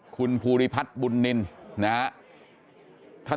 คุณภูริพัฒน์บุญนินนะครับ